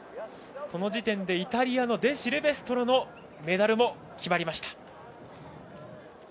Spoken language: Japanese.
この時点でイタリアのデシルベストロのメダルも決まりました。